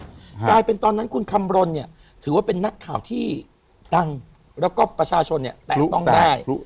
กลายเป็นตอนนั้นคุณคำรณเนี่ยถือว่าเป็นนักข่าวที่ดังแล้วก็ประชาชนเนี่ยแตะต้องได้